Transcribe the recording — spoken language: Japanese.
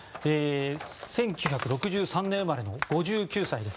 １９６３年生まれの５９歳です。